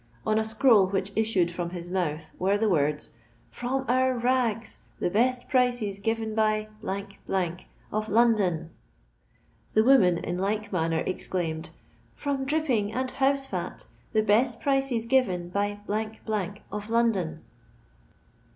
On a scroll which issued from his mouth were the words :" From our nigs 1 The best prices given by , of London." The woman in like manner exclaimed :" From dripping and house fnt ! The best prices given by , of London."